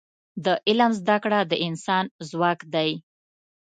د علم زده کړه د انسان ځواک دی.